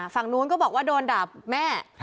ฝั่งนู้นก็บอกว่าโดนด่าแม่